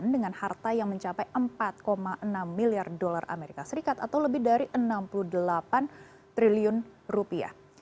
dengan harta yang mencapai empat enam miliar dolar amerika serikat atau lebih dari enam puluh delapan triliun rupiah